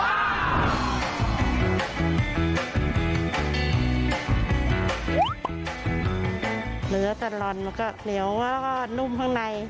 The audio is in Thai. เนื้อตลอดมันก็เหนียวแล้วก็นุ่มข้างใน